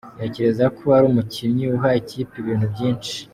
Ntekereza ko ari umukinnyi uha ikipe ibintu byinshi.